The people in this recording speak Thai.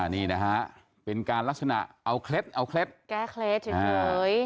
นี่นะฮะเป็นการลักษณะเอาเคล็ดเอาเคล็ดแก้เคล็ดเฉย